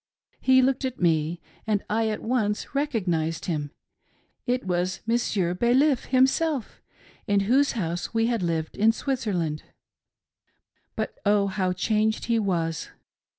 He looked at me and I at once recognised him — it was Monsieur Baliff himself, in whose house we had lived in Switzerland. But, oh, how changed he was